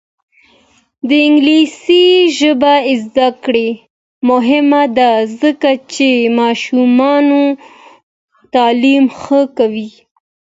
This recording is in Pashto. د انګلیسي ژبې زده کړه مهمه ده ځکه چې ماشومانو تعلیم ښه کوي.